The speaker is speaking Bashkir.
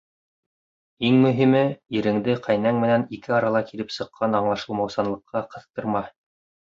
Иң мөһиме — иреңде ҡәйнәң менән ике арала килеп сыҡҡан аңлашылмаусанлыҡҡа ҡыҫтырма.